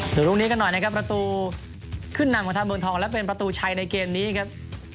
ดูลูกนี้กันหน่อยนะครับประตูขึ้นนำของทางเมืองทองและเป็นประตูชัยในเกมนี้ครับ